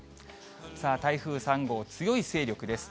さあ、台風３号、強い勢力です。